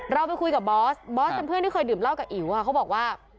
เราไปคุยกับบอสบอสเป็นเพื่อนที่เคยดื่มเหล้ากับอิ๋วเขาบอกว่า